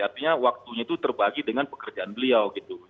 artinya waktunya itu terbagi dengan pekerjaan beliau gitu